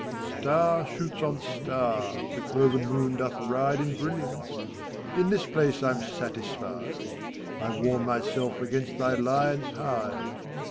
Star shoots on star, the cloven moon doth ride In brilliance ; in this place I'm satisfied : I warm myself against thy lion's hide.